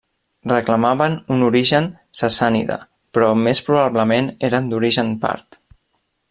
Reclamaven un origen sassànida però més probablement eren d'origen part.